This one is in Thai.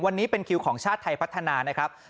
วันนี้เป็นคิวของชาติไทยพัฒนานะครับ